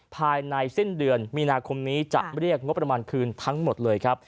ภายในสิ้นเดือนมีนาคมนี้จะเรียกงบประมาณคืนทั้งหมดเลยครับ